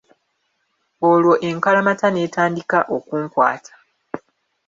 Olwo enkalamata n'etandika okunkwata.